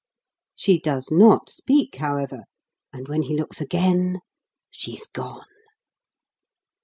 She does not speak, however; and, when he looks again, she is gone!